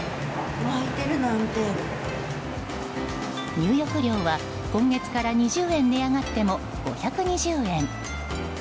入浴料は今月から２０円値上がっても５２０円。